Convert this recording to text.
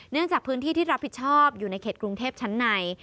จากพื้นที่ที่รับผิดชอบอยู่ในเขตกรุงเทพชั้นใน